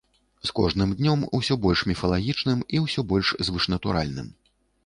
З кожным днём усё больш міфалагічным і ўсё больш звышнатуральным.